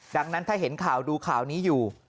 ดังนั้นถ้าเห็นข่าวดูข่าวนี้อยู่